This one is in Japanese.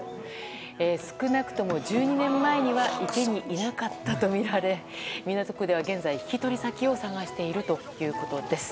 少なくとも１２年前には池にいなかったとみられ港区では現在、引き取り先を探しているということです。